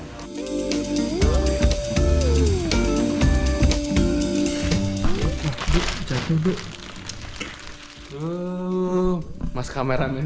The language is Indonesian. mas kameramennya juga makan dong